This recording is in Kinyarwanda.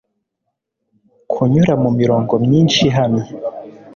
kunyura mumirongo myinshi ihamye